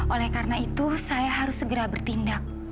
oleh karena itu saya harus segera bertindak